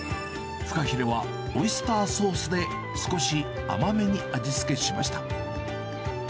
フカヒレはオイスターソースで、少し甘めに味付けしました。